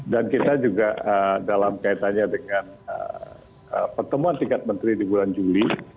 dan kita juga dalam kaitannya dengan pertemuan tiga menteri di bulan juli